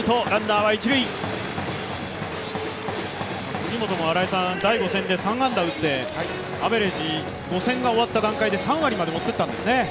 杉本も第５戦で３安打打って、アベレージ５戦が終わった段階で３割まで持っていったんですね。